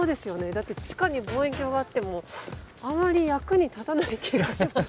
だって地下に望遠鏡があってもあんまり役に立たない気がします。